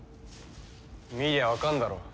見りゃわかるだろ。